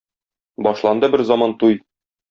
Башланды берзаман туй.